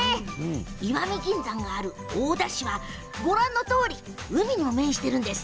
石見銀山がある大田市はご覧のとおり海にも面しているんです。